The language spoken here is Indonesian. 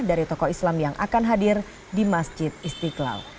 dari tokoh islam yang akan hadir di masjid istiqlal